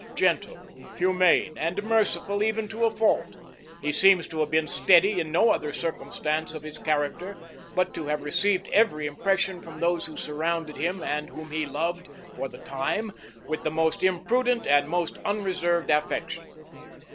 Gentle, humane, and merciful even to a fault, he seems to have been steady in no other circumstance of his character; but to have received every impression from those who surrounded him, and whom he loved, for the time, with the most imprudent and most unreserved affection.